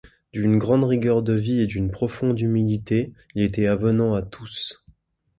D'une grande rigueur de vie et d’une profonde humilité, il était avenant à tous.